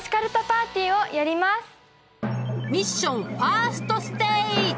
ミッションファーストステージ！